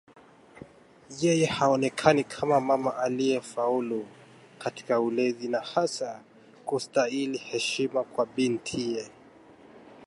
Yeye haonekani kama mama aliyefaulu katika ulezi na hasa kustahili heshima kwa bintiye